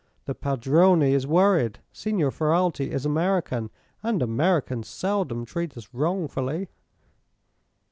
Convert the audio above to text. The padrone is worried. Signor Ferralti is American, and Americans seldom treat us wrongfully."